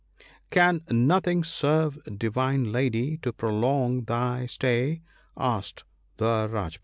'Can nothing serve, Divine Lady, to prolong thy stay?' asked the Rajpoot.